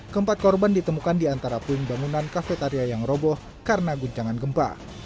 keempat korban ditemukan di antara puing bangunan kafetaria yang roboh karena guncangan gempa